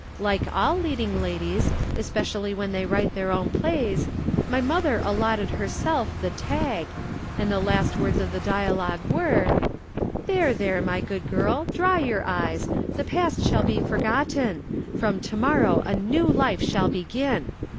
Like all leading ladies, especially when they write their own plays, my mother allotted herself the 'tag,' and the last words of the dialogue were: "'There! there! my good girl! Dry your eyes. The past shall be forgotten. From to morrow a new life shall begin.